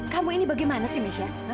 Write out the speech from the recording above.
kamu ini bagaimana sih micher